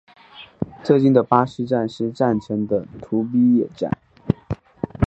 最近的巴士站是站前的土笔野站。